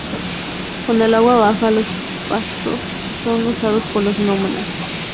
Cuando el agua baja, los pastos son usados por los nómadas.